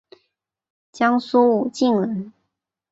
江苏武进人。